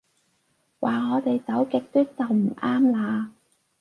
話我哋走極端就唔啱啦